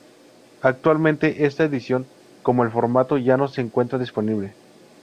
Actualmente esta edición como el formato ya no se encuentra disponible.